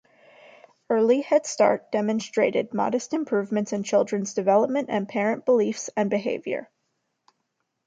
Early Head Start demonstrated modest improvements in children's development and parent beliefs and behavior.